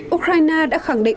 ukraine đã khẳng định